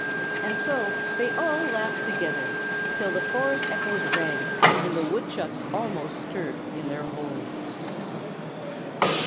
And so they all laughed together, till the forest echoes rang, and the woodchucks almost stirred in their holes.